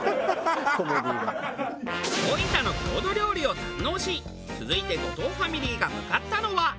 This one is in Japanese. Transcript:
大分の郷土料理を堪能し続いて後藤ファミリーが向かったのは。